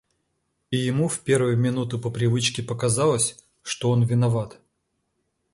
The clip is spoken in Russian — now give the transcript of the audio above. И ему в первую минуту по привычке показалось, что он виноват.